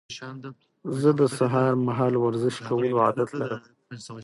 زه د سهار مهال ورزش کولو عادت لرم.